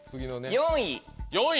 ４位。